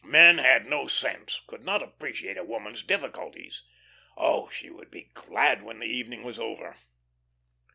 Men had no sense, could not appreciate a woman's difficulties. Oh, she would be glad when the evening was over.